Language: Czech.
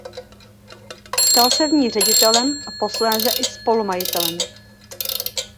Stal se v ní ředitelem a posléze i spolumajitelem.